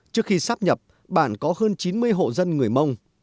trước khi sắp nhập bản có hơn chín mươi hộ dân người mông